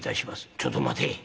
「ちょっと待て。